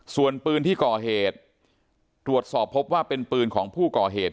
ส่วนปืนที่ก่อเหตุตรวจสอบพบว่าเป็นปืนของผู้ก่อเหตุ